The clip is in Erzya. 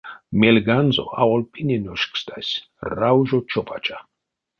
Мельганзо аволь пине ношкстась — раужо чопача.